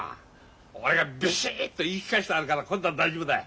俺がビシッと言い聞かせてあるから今度は大丈夫だい。